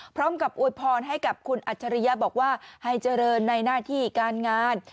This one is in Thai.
อวยพรให้กับคุณอัจฉริยะบอกว่าให้เจริญในหน้าที่การงาน